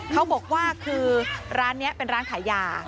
เขาบอกว่าคือร้านนี้เป็นร้านขายยา